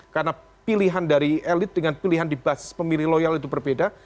karena pilihan dari elit dengan pilihan di basis pemilih loyal itu berbeda